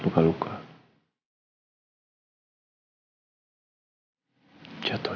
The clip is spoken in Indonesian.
tapi sebelum saya tahu